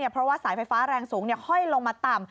เพราะว่าสายไฟฟ้าแรงสูงห้อยลงมาต่ำ